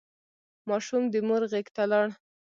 ماشوم د مور غېږ ته لاړ.